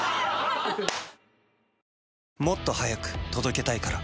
もっと速く届けたいから。